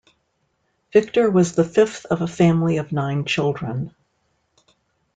Victor was the fifth of a family of nine children.